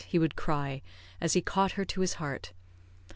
he would cry, as he caught her to his heart.